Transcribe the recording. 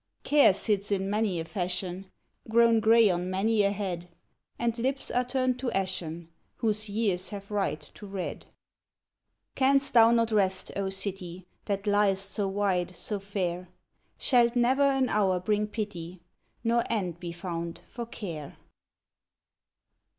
Care sits in many a fashion, Grown gray on many a head, And lips are turned to ashen Whose years have right to red. Canst thou not rest, O city, That liest so wide, so fair; Shall never an hour bring pity. Nor end be found for care?